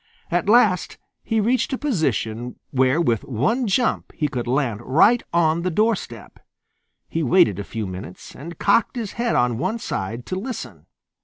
At last he reached a position where with one jump he could land right on the doorstep. He waited a few minutes and cocked his head on one side to listen.